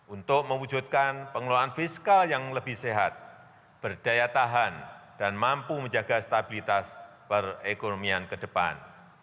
untuk mewujudkan pengelolaan fiskal yang lebih sehat berdaya tahan dan mampu menjaga stabilitas perekonomian ke depan